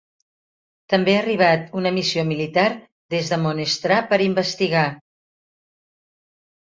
També ha arribat una missió militar des de Morestra per investigar.